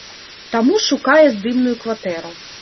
Таму шукае здымную кватэру.